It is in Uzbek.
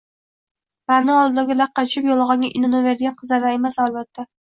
Ra’no aldovga laqqa tushib, yolg’onga inonaveradigan qizlardan emas, albatta.